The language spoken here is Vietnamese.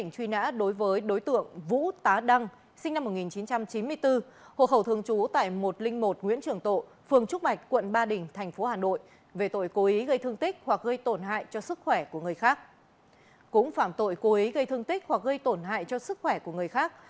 cũng phạm tội cô ấy gây thương tích hoặc gây tổn hại cho sức khỏe của người khác